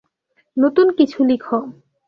নতুন কিছু লিখো।